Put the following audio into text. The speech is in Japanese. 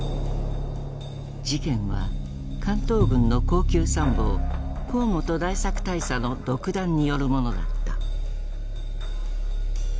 事件は関東軍の高級参謀河本大作大佐の独断によるものだった。